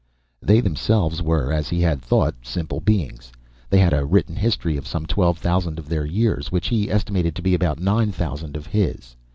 They themselves were, as he had thought, simple beings. They had a written history of some twelve thousand of their years, which he estimated to be about nine thousand of his.